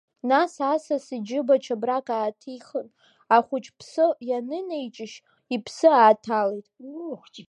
Нас асас иџьыба чабрак ааҭихын, ахәыҷ ԥсы ианынеиҿишь, иԥсы ааҭалеит.